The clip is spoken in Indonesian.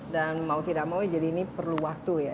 dan mau tidak mau jadi ini perlu waktu ya